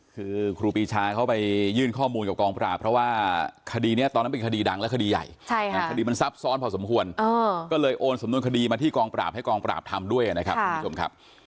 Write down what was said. คือครูปีชาเขาไปยื่นข้อมูลกับกองปราบเพราะว่าคดีนี้ตอนนั้นเป็นคดีดังและคดีใหญ่คดีมันซับซ้อนพอสมควรก็เลยโอนสำนวนคดีมาที่กองปราบให้กองปราบทำด้วยนะครับคุณผู้ชมครับ